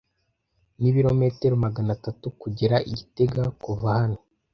Nibirometero magana atatu kugera i gitega kuva hano.